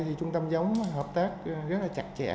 giống hợp tác rất chặt chẽ